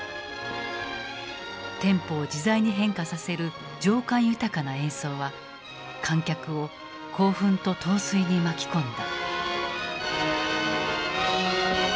テンポを自在に変化させる情感豊かな演奏は観客を興奮と陶酔に巻き込んだ。